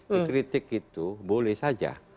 dikritik itu boleh saja